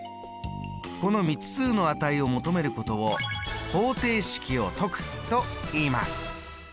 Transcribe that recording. この未知数の値を求めることを方程式を解くといいます。